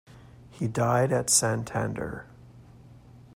He died at Santander.